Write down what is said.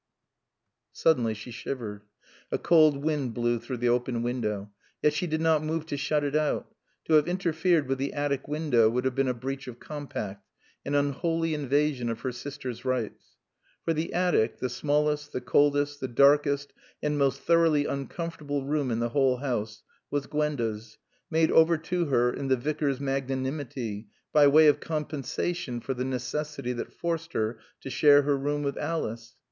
Suddenly she shivered. A cold wind blew through the open window. Yet she did not move to shut it out. To have interfered with the attic window would have been a breach of compact, an unholy invasion of her sister's rights. For the attic, the smallest, the coldest, the darkest and most thoroughly uncomfortable room in the whole house, was Gwenda's, made over to her in the Vicar's magnanimity, by way of compensation for the necessity that forced her to share her room with Alice.